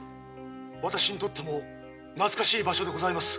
私にとっても懐かしい場所でございます。